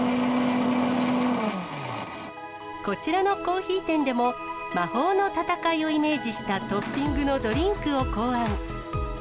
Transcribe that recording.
こちらのコーヒー店でも、魔法の戦いをイメージしたトッピングのドリンクを考案。